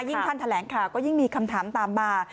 ท่านแถลงข่าวก็ยิ่งมีคำถามตามมา